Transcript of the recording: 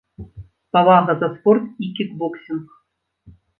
Павага за спорт і кікбоксінг.